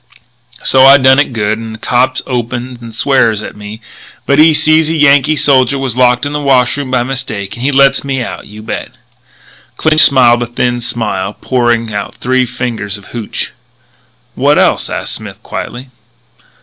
"So I done it good; and a cop opens and swears at me, but when he sees a Yankee soldier was locked in the wash room by mistake, he lets me out, you bet." Clinch smiled a thin smile, poured out three fingers of hooch. "What else?" asked Smith quietly.